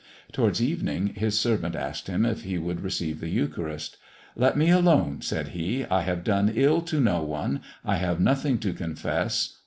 Towards evening, his servant asked him if he would receive the Eucharist. 'Let me alone,' said he, 'I have done ill to no one. I have nothing to confess.